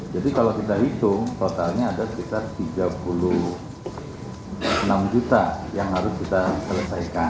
jadi kalau kita hitung totalnya ada sekitar tiga puluh enam juta yang harus kita selesaikan